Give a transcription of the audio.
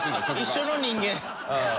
一緒の人間。